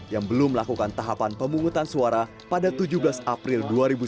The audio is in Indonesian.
yang belum melakukan tahapan pemungutan suara pada tujuh belas april dua ribu sembilan belas